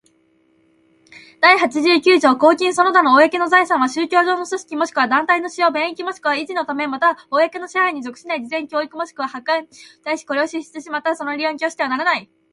第八十九条公金その他の公の財産は、宗教上の組織若しくは団体の使用、便益若しくは維持のため、又は公の支配に属しない慈善、教育若しくは博愛の事業に対し、これを支出し、又はその利用に供してはならない。